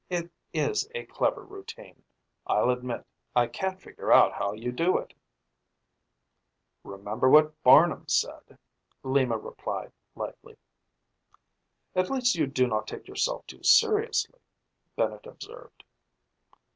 It is a clever routine. I'll admit I can't figure out how you do it." "Remember what Barnum said," Lima replied lightly. "At least you do not take yourself too seriously," Bennett observed.